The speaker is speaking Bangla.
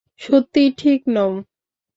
সত্যিই ঠিক নও।